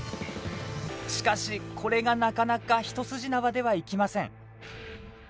しかし、これがなかなか一筋縄ではいきません。